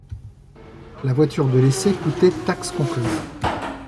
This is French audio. La voiture de l'essai coûtait taxes comprises.